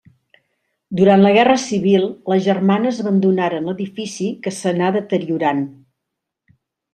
Durant la Guerra Civil les germanes abandonaren l'edifici que s'anà deteriorant.